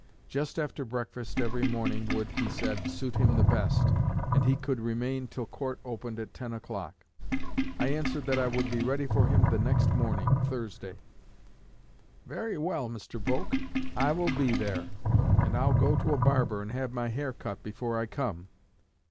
Just after breakfast every morning would, he said, suit him the best, and he could remain till court opened at ten o'clock. I answered that I would be ready for him the next morning (Thursday). 'Very well, Mr. Volk, I will be there, and I'll go to a barber and have my hair cut before I come.'